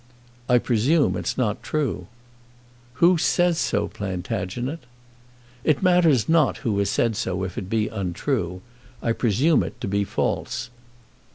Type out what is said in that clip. "I presume it's not true." "Who says so, Plantagenet?" "It matters not who has said so, if it be untrue. I presume it to be false."